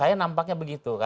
nah nampaknya begitu